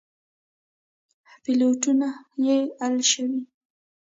پلېټونه يې الېشوي.